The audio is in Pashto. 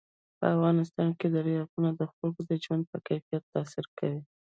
په افغانستان کې دریابونه د خلکو د ژوند په کیفیت تاثیر کوي.